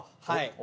はい。